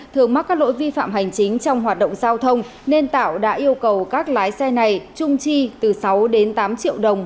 tạm hành chính trong hoạt động giao thông nên tạo đã yêu cầu các lái xe này trung chi từ sáu đến tám triệu đồng